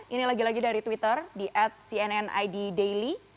ini lagi lagi dari twitter di at cnn id daily